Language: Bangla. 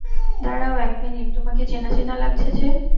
দাঁড়াও এক মিনিট, তোমাকে চেনা চেনা লাগছে যে?